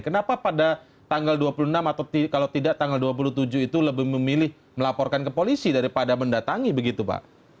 kenapa pada tanggal dua puluh enam atau kalau tidak tanggal dua puluh tujuh itu lebih memilih melaporkan ke polisi daripada mendatangi begitu pak